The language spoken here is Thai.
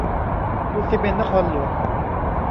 ปูนซีเมนต์นครหลวง